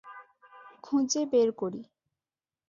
খুঁজে বের করি।